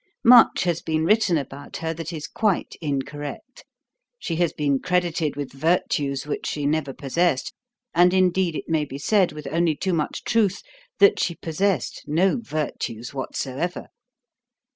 Much has been written about her that is quite incorrect. She has been credited with virtues which she never possessed; and, indeed, it may be said with only too much truth that she possessed no virtues whatsoever.